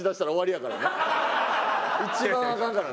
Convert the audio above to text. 一番アカンからね。